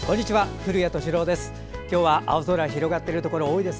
古谷敏郎です。